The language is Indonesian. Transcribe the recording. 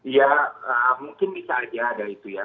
ya mungkin bisa aja ada itu ya